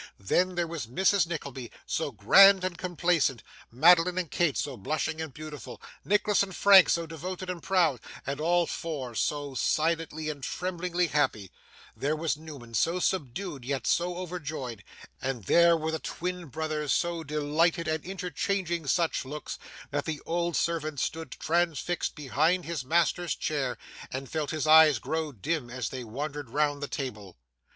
Then, there was Mrs Nickleby, so grand and complacent; Madeline and Kate, so blushing and beautiful; Nicholas and Frank, so devoted and proud; and all four so silently and tremblingly happy; there was Newman so subdued yet so overjoyed, and there were the twin brothers so delighted and interchanging such looks, that the old servant stood transfixed behind his master's chair, and felt his eyes grow dim as they wandered round the table.